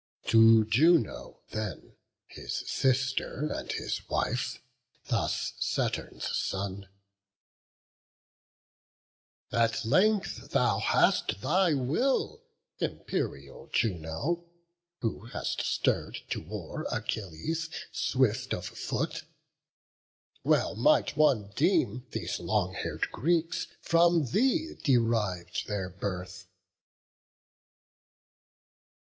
To Juno then, his sister and his wife, Thus Saturn's son: "At length thou hast thy will, Imperial Juno, who hast stirr'd to war Achilles swift of foot; well might one deem These long hair'd Greeks from thee deriv'd their birth."